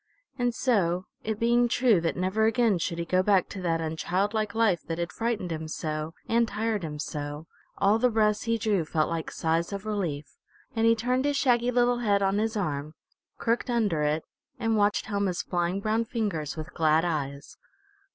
And so, it being true that never again should he go back to that unchildlike life that had frightened him so, and tired him so, all the breaths he drew felt like sighs of relief, and he turned his shaggy little head on his arm, crooked under it, and watched Helma's flying brown fingers with glad eyes.